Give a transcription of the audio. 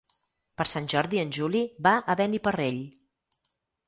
Per Sant Jordi en Juli va a Beniparrell.